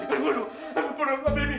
aduh aku perut papi